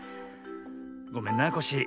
ごめんなコッシー。